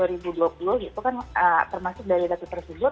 itu kan termasuk dari data tersebut